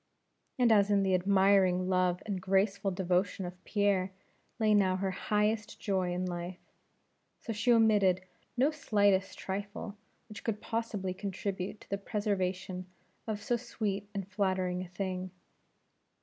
And as in the admiring love and graceful devotion of Pierre lay now her highest joy in life; so she omitted no slightest trifle which could possibly contribute to the preservation of so sweet and flattering a thing.